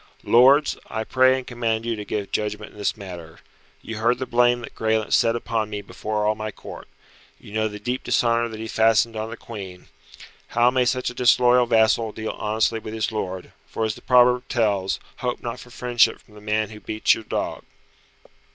"Lords, I pray and command you to give judgment in this matter. You heard the blame that Graelent set upon me before all my Court. You know the deep dishonour that he fastened on the Queen. How may such a disloyal vassal deal honestly with his lord, for as the proverb tells, 'Hope not for friendship from the man who beats your dog!'"